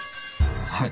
はい。